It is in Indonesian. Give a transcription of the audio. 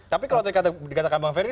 tapi kalau tadi dikatakan bang ferry